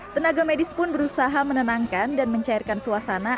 tenaga medis pun berusaha menenangkan dan mencairkan suasana